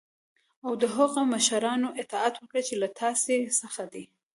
او د هغه مشرانو اطاعت وکړی چی له تاسی څخه دی .